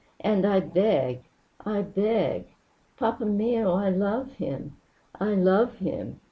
And I beg! I beg! Papa mio! I love him! I love him!"